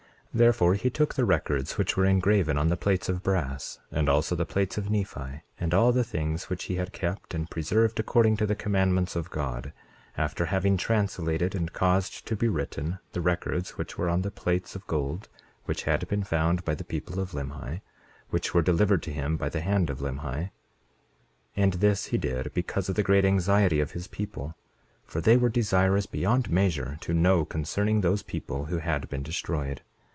28:11 Therefore he took the records which were engraven on the plates of brass, and also the plates of Nephi, and all the things which he had kept and preserved according to the commandments of God, after having translated and caused to be written the records which were on the plates of gold which had been found by the people of Limhi, which were delivered to him by the hand of Limhi; 28:12 And this he did because of the great anxiety of his people; for they were desirous beyond measure to know concerning those people who had been destroyed.